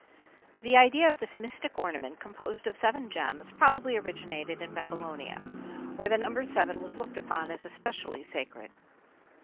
The idea of this mystic ornament, composed of seven gems, probably originated in Babylonia, where the number seven was looked upon as especially sacred.